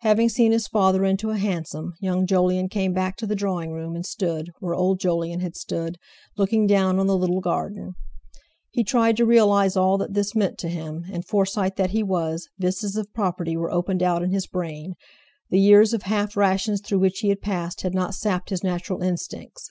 Having seen his father into a hansom, young Jolyon came back to the drawing room and stood, where old Jolyon had stood, looking down on the little garden. He tried to realize all that this meant to him, and, Forsyte that he was, vistas of property were opened out in his brain; the years of half rations through which he had passed had not sapped his natural instincts.